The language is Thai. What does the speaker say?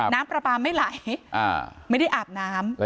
น้ำปลาปลาไม่ไหลไม่ได้อาบน้ำ